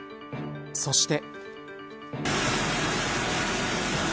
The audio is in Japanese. そして。